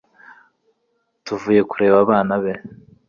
tuvuye kureba abana be